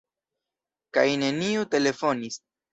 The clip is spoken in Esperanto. Kaj neniu telefonis.